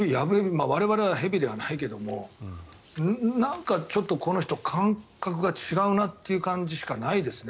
我々は蛇ではないけれどもなんかちょっとこの人感覚が違うなという感じしかないですね。